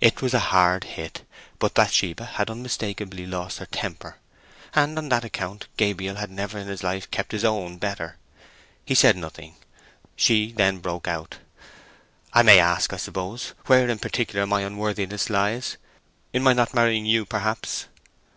It was a hard hit, but Bathsheba had unmistakably lost her temper, and on that account Gabriel had never in his life kept his own better. He said nothing. She then broke out— "I may ask, I suppose, where in particular my unworthiness lies? In my not marrying you, perhaps!"